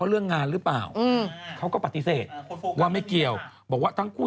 ก็คือรักกลางก็บอกว่ารักกลางวงสื่อ